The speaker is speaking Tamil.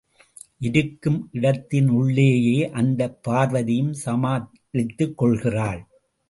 இருக்கும் இடத்தினுள்ளேயே அந்தப் பார்வதியும் சமாளித்துக்கொள்கிறாள்.